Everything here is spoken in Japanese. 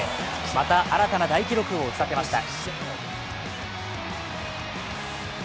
また新たな大記録を打ち立てました。